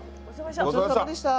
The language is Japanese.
ごちそうさまでした。